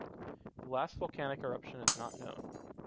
The last volcanic eruption is not known.